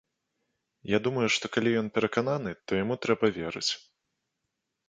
Я думаю, што калі ён перакананы, то яму трэба верыць.